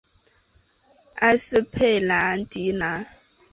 埃斯佩安迪兰。